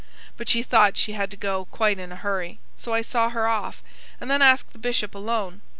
But she thought she had to go, quite in a hurry. So I saw her off; and then asked the Bishop alone.